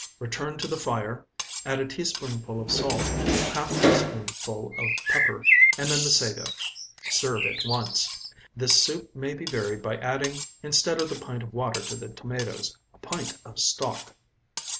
Return to the fire, add a teaspoonful of salt, half teaspoonful of pepper and then the sago. Serve at once. This soup may be varied by adding, instead of the pint of water to the tomatoes, a pint of stock.